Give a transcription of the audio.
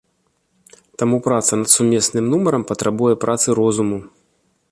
Таму праца над сумесным нумарам патрабуе працы розуму.